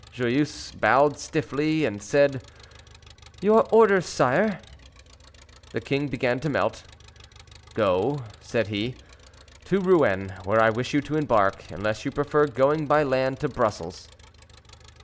Joyeuse bowed stifly, and said, "Your orders, sire?" The king began to melt. "Go," said he, "to Rouen, where I wish you to embark, unless you prefer going by land to Brussels."